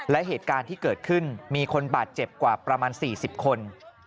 และเหตุการณ์ที่เกิดขึ้นมีคนบาดเจ็บกว่าประมาณ๔๐คน